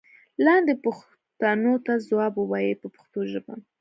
لاندې پوښتنو ته ځواب و وایئ په پښتو ژبه.